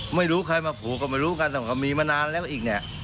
ไม่รู้ใครมาปลูกกันไม่รู้กันแต่มีมานานแล้วอีกเนี่ย